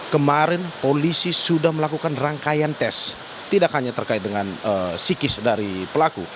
kemarin polisi sudah melakukan rangkaian tes tidak hanya terkait dengan psikis dari pelaku